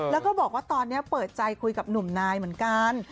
แล้วก็บอกว่าตอนนี้เปิดใจคุยกับหนุ่มนายเหมือนกัน